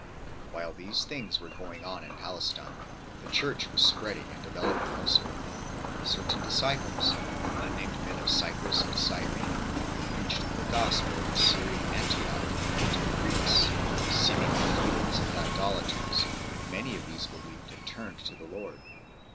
While these things were going on in Palestine, the Church was spreading and developing elsewhere. Certain disciples, unnamed men of Cyprus and Cyrene, preached the gospel in the Syrian Antioch to the Greeks 4 seem ingly heathens and idolaters and many of these believed and turned to the Lord.